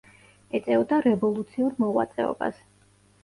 ეწეოდა რევოლუციურ მოღვაწეობას.